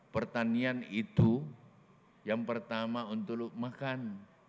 pertanian itu yang pertama untuk makan